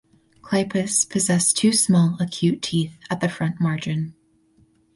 Clypeus possess two small acute teeth at the front margin.